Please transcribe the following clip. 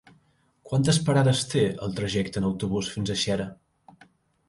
Quantes parades té el trajecte en autobús fins a Xera?